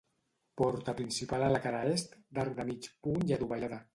Porta principal a la cara est, d'arc de mig punt i adovellada.